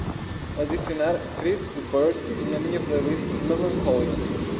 adicionar Chris de Burgh na minha playlist melancholia